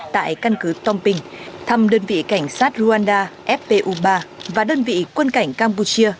tại căn cứ tomping thăm đơn vị cảnh sát rwanda fpu ba và đơn vị quân cảnh campuchia